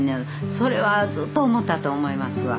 それはずっと思ったと思いますわ。